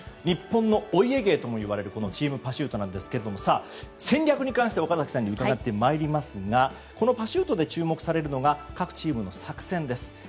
日本のお家芸ともいわれるチームパシュートなんですけども戦略に関して岡崎さんに伺ってまいりますがこのパシュートで注目されるのが各チームの作戦です。